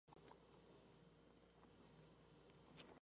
La pre-orden vino con un precio de introducción.